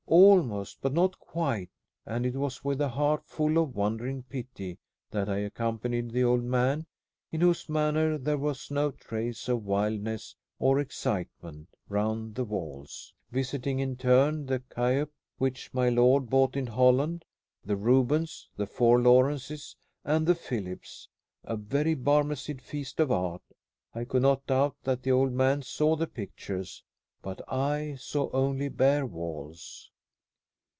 Almost, but not quite; and it was with a heart full of wondering pity that I accompanied the old man, in whose manner there was no trace of wildness or excitement, round the walls; visiting in turn the Cuyp which my lord bought in Holland, the Rubens, the four Lawrences, and the Philips a very Barmecide feast of art. I could not doubt that the old man saw the pictures. But I saw only bare walls.